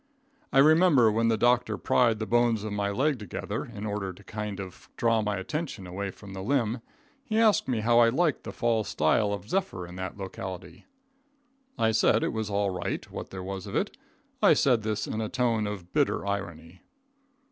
I remember when the doctor pried the bones of my leg together, in order to kind of draw my attention away from the limb, he asked me how I liked the fall style of Zephyr in that locality. I said it was all right, what there was of it. I said this in a tone of bitter irony.